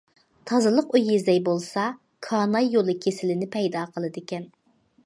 تازىلىق ئۆيى زەي بولسا، كاناي يولى كېسىلىنى پەيدا قىلىدىكەن.